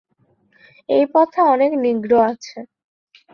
এই পথে অনেক নিগ্রো আছে।